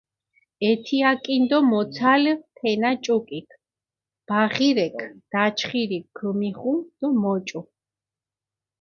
ეთიაკინ დო მოცალჷ თენა ჭუკიქ, ბაღირექ დაჩხირი ქჷმიღუ დო მოჭუ.